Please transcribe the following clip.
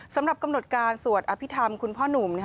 สำหรับกำหนดการสวดอภิษฐรรมคุณพ่อหนุ่ม